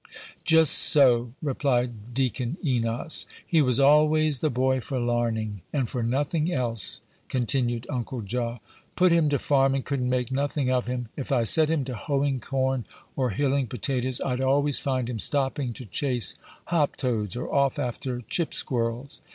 "Just so," replied Deacon Enos. "He was always the boy for larning, and for nothing else," continued Uncle Jaw; "put him to farming, couldn't make nothing of him. If I set him to hoeing corn or hilling potatoes, I'd always find him stopping to chase hop toads, or off after chip squirrels.